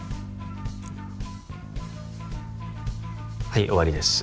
はい終わりです